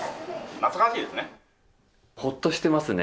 懐かしいですね。